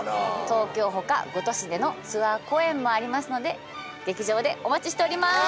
東京ほか５都市でのツアー公演もありますので劇場でお待ちしております